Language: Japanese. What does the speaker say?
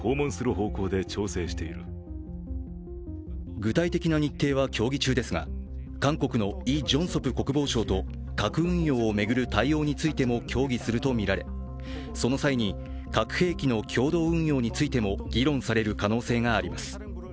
具体的な日程は協議中ですが韓国のイ・ジョンソプ国防相と核運用を巡る対応についても協議するとみられ、その際に核兵器の共同運用についても議論される可能性があります。